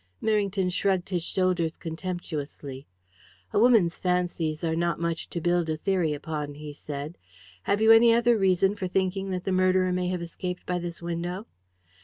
Merrington shrugged his shoulders contemptuously. "A woman's fancies are not much to build a theory upon," he said. "Have you any other reason for thinking that the murderer may have escaped by this window?"